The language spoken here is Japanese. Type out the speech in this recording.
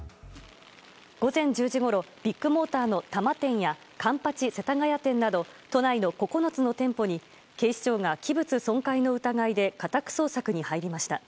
午前１０時ごろビッグモーターの多摩店や環八世田谷店など都内の９つの店舗に警視庁が器物損壊の疑いで家宅捜索に入りました。